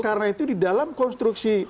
karena itu di dalam konstruksi